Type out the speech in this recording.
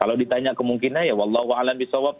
kalau ditanya kemungkinan ya wallahualam bisawab